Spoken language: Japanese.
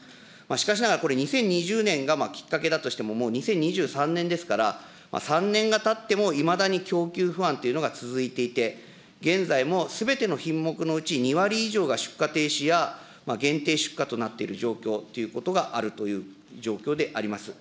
しかしながらこれ、２０２０年がきっかけだとしても、もう２０２３年ですから、３年がたっても、いまだに供給不安というのが続いていて、現在もすべての品目のうち、２割以上が出荷停止や、限定出荷となっている状況っていうことがあるという状況であります。